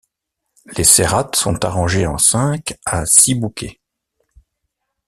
Les cérates sont arrangés en cinq à six bouquets.